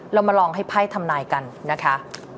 เรามาลองให้ไพ่ทำนายกันนะคะ